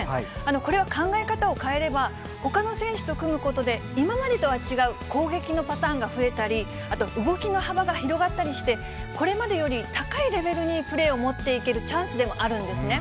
これは考え方を変えれば、ほかの選手と組むことで、今までとは違う攻撃のパターンが増えたり、あと動きの幅が広がったりして、これまでより高いレベルにプレーを持っていけるチャンスでもあるんですね。